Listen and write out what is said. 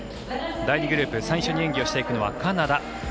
第２グループ最初に演技していくのはカナダ。